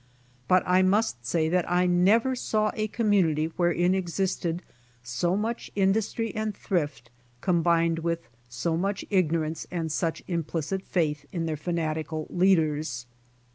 But I must say that I never saw a community wherein existed so much industry and thrift, combined with so much ignorance and such implicit faith in their fanatical leaders.